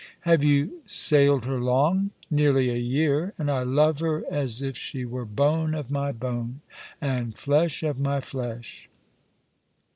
"" Have you sailed her long ?"" Nearly a year, and I love her as if she were bone of my bone, and flesh of my flesh.